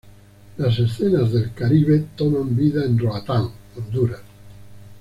Las escenas del Caribe toman vida en Roatán, Honduras.